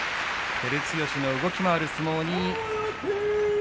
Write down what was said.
照強の動きのある相撲。